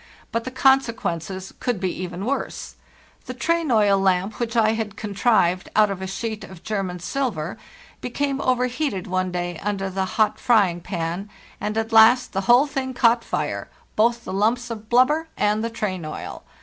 But the consequences could be even worse. The train oil lamp which I had contrived out of a sheet of German silver became over heated one day under the hot frying pan, and at last the whole thing caught fire, both the lumps of blubber and the train oil.